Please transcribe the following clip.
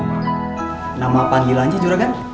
nama panggilannya juragan